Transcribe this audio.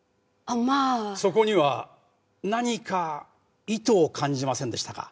そこには何か意図を感じませんでしたか？